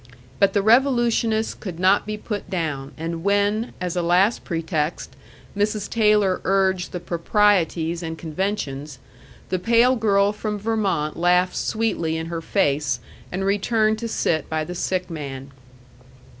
But the revolutionist could not be put down, and when, as a last pretext, Mrs. Taylor urged the proprieties and conventions, the pale girl from Vermont laughed sweetly in her face and returned to sit by the sick man.